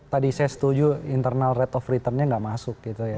tadi saya setuju internal rate of returnnya tidak masuk